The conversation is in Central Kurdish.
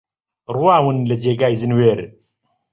ڕواون لە جێگای زەنوێر